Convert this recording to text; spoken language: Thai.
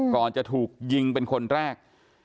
ก่อนจะถูกยิงเป็นคนแรก